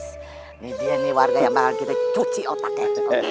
ini dia warga yang malang kita cuci otaknya